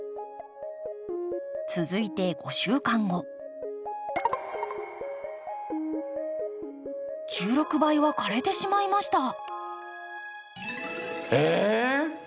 続いて５週間後１６倍は枯れてしまいましたえっ。